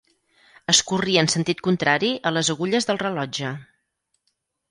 Es corria en sentit contrari a les agulles del rellotge.